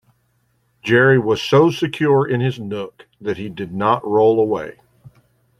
Jerry was so secure in his nook that he did not roll away.